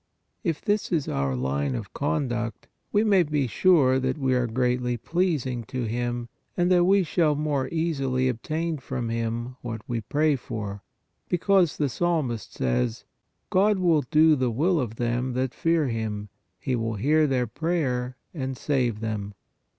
If this is our line of conduct, we may be sure that we are greatly pleasing to Him and that we shall more easily obtain from Him what we pray for, because the Psalmist says: " God will do the will of them that fear Him; He will hear their prayer and save them" (Ps.